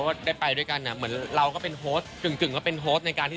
ไม่มีไม่ได้เชียร์ครับไม่มีอะไรเป็นแค่คุณครูของน้องเราเฉย